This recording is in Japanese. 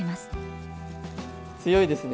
強いですね